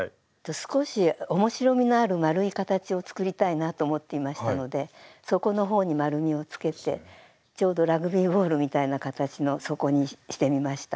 少し面白みのある丸い形を作りたいなと思っていましたので底の方に丸みをつけてちょうどラグビーボールみたいな形の底にしてみました。